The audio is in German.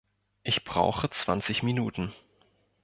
Ich brauche zwanzig Minuten.